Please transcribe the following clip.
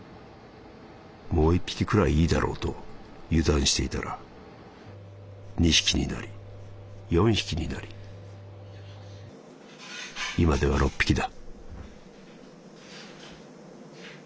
もう一匹くらいいいだろうと油断していたら二匹になり四匹になり今では六匹だ」。